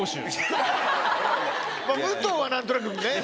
武藤は何となくね。